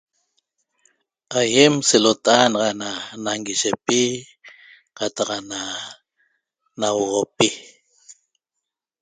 Aiem selota'a naxa na nanguishepi qataq ana nauoxopi